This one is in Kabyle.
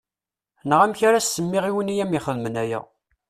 Neɣ amek ara as-semmiɣ i win i am-ixedmen aya.